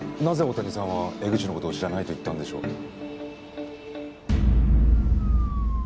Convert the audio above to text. なぜ大谷さんは江口の事を知らないと言ったんでしょう？